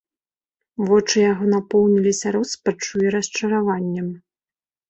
Вочы яго напоўніліся роспаччу і расчараваннем.